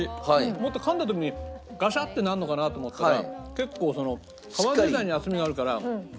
もっとかんだ時にガシャッてなるのかなと思ったら結構皮自体に厚みがあるから。